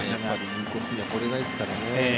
インコースには放れないですからね。